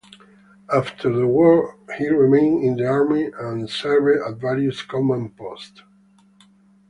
After the war he remained in the army and served at various command posts.